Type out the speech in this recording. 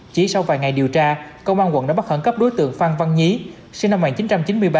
chỉ sau vài ngày điều tra công an quận đã bắt khẩn cấp đối tượng phan văn nhí sinh năm một nghìn chín trăm chín mươi ba